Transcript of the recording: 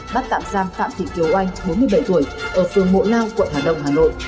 bắt tạm giam phạm thị kiều oanh bốn mươi bảy tuổi ở phường mộ lao quận hà đông hà nội